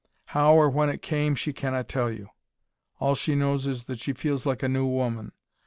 How or when it came she cannot tell you. All she knows is that she feels like a new woman.